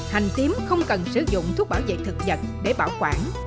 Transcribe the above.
hành viếm không cần sử dụng thuốc bảo vệ thực vật để bảo quản